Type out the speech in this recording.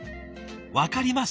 分かります？